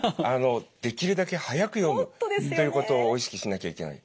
できるだけ速く読むということを意識しなきゃいけない。